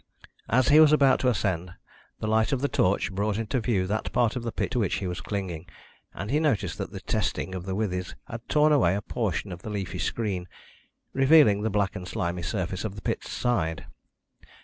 As he was about to ascend, the light of the torch brought into view that part of the pit to which he was clinging, and he noticed that the testing of the withes had torn away a portion of the leafy screen, revealing the black and slimy surface of the pit's side.